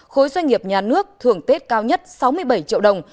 khối doanh nghiệp nhà nước thưởng tết cao nhất sáu mươi bảy triệu đồng